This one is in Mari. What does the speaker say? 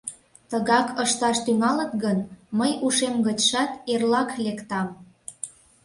— Тыгак ышташ тӱҥалыт гын, мый ушем гычшат эрлак лектам.